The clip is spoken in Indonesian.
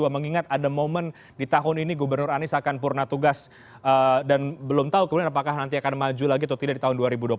mengingat ada momen di tahun ini gubernur anies akan purna tugas dan belum tahu kemudian apakah nanti akan maju lagi atau tidak di tahun dua ribu dua puluh empat